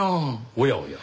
おやおや。